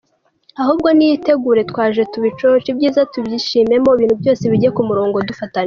Ahubwo niyitegure twaje tubicoce, ibyiza tubyishimemo, ibintu byose bijye ku murongo dufatanyije.